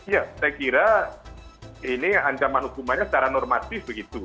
ya saya kira ini ancaman hukumannya secara normatif begitu